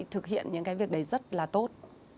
thực hiện những cái việc đấy rất là tốt